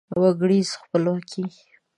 وګړیزه خپلواکي